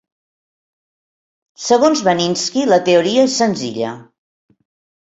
Segons Wanniski, la teoria és senzilla.